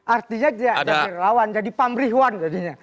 artinya dia jadi relawan jadi pamrihwan jadinya